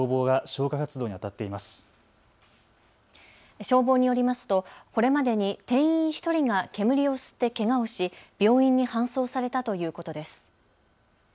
消防によりますとこれまでに店員１人が煙を吸ってけがをし、病院に搬送されたということです。